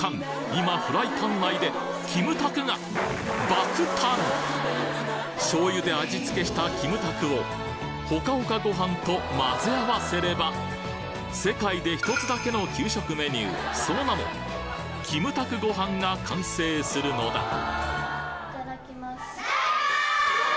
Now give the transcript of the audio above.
今フライパン内でしょう油で味付けしたキムタクをほかほかご飯と混ぜ合わせれば世界で１つだけの給食メニューその名もキムタクご飯が完成するのだいただきます。